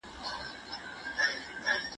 د حقوق پوهنځي ونه لوستله.